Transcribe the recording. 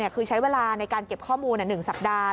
คือใช้เวลาในการเก็บข้อมูล๑สัปดาห์